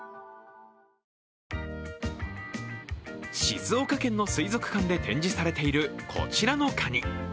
静岡県の水族館で展示されている、こちらのカニ。